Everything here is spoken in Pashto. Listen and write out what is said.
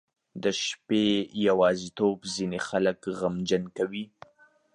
• د شپې یوازیتوب ځینې خلک غمجن کوي.